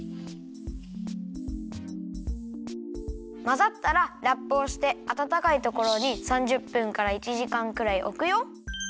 まざったらラップをしてあたたかいところに３０分から１じかんくらいおくよ。